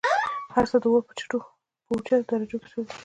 هرڅه د اور په اوچتو درجو كي سوزي